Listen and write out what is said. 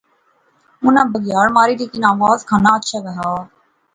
اُنی بگیاڑ ماری۔۔۔ لیکن آواز کھاناں اچھے وہا